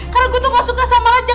karena gue tuh nggak suka sama raja